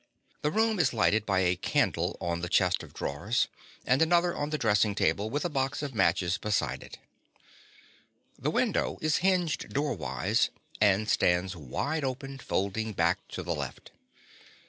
The room is lighted by a candle on the chest of drawers, and another on the dressing table, with a box of matches beside it. The window is hinged doorwise and stands wide open, folding back to the left.